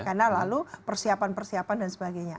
karena lalu persiapan persiapan dan sebagainya